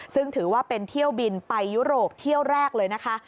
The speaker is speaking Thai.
ซึ่งถือว่าเป็นเที่ยวบินไปยุโรปเที่ยวแรกเลยนะคะ